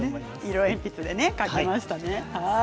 色鉛筆で描きましたね。